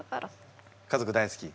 家族大好き？